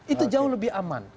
itu jauh lebih aman